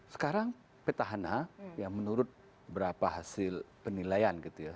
sekarang petahana yang menurut berapa hasil penilaian gitu ya